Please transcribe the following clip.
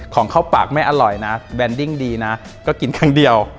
ของเข้าปากไม่อร่อยนะแบนดิ้งดีนะก็กินครั้งเดียว